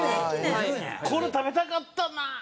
これ食べたかったなあ。